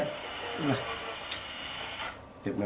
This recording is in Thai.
ตั้งหลาตรงมา